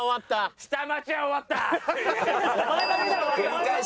下町は終わった。